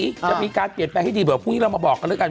จะมีการเปลี่ยนแปลงให้ดีเผื่อพรุ่งนี้เรามาบอกกันแล้วกัน